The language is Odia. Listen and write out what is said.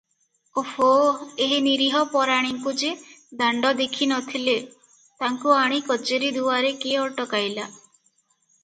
ଓହୋ! ଏହି ନିରୀହ ପରାଣୀଙ୍କୁ ଯେ ଦାଣ୍ଡ ଦେଖି ନଥିଲେ, ତାଙ୍କୁ ଆଣି କଚେରୀ ଦୁଆରେ କିଏ ଅଟକାଇଲା?